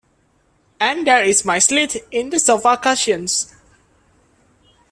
And there is my slit in the sofa cushions.